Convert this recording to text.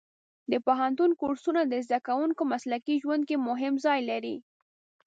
د پوهنتون کورسونه د زده کوونکو مسلکي ژوند کې مهم ځای لري.